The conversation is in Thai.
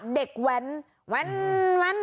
เด็กแวนแว้นแว้น